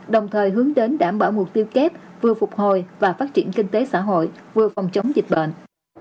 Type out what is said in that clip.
đồng thời hướng đến đảm bảo mục tiêu kép vừa phục hồi và phát triển kinh tế xã hội vừa phòng chống dịch bệnh